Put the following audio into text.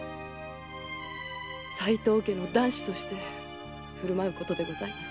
齋藤家の男子として振る舞うことでございます。